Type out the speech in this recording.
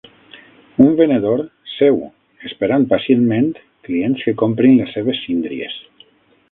Un venedor seu esperant pacientment clients que comprin les seves síndries.